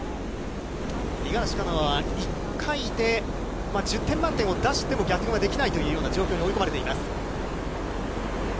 五十嵐カノアは１回で１０点満点を出しても逆転はできないというような状況に追い込まれています。